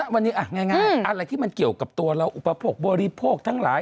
วันนี้ง่ายอะไรที่มันเกี่ยวกับตัวเราอุปโภคบริโภคทั้งหลาย